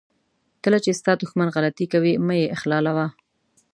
کله چې ستا دښمن غلطي کوي مه یې اخلالوه.